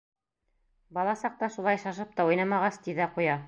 Бала саҡта шулай шашып та уйнамағас, ти ҙә ҡуя.